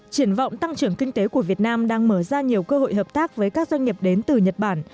triển vọng tăng trưởng kinh tế của việt nam đang mở ra nhiều cơ hội hợp tác với các doanh nghiệp đến từ nhật bản